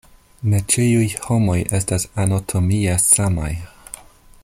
Ne ĉiuj homoj estas anatomie samaj.